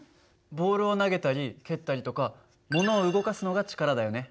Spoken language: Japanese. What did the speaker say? ボールを投げたり蹴ったりとかものを動かすのが力だよね。